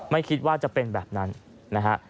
ไม่คิดว่าจะเป็นแบบนั้นนะฮะ